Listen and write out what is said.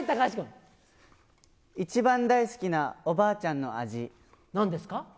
一番大好きなおばあちゃんのなんですか？